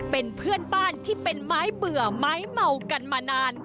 เป็นเพื่อนบ้านที่เป็นไม้เบื่อไม้เมากันมานาน